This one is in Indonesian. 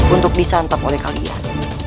untuk disantap oleh kalian